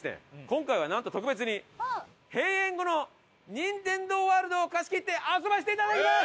今回はなんと特別に閉園後のニンテンドー・ワールドを貸し切って遊ばせて頂きます！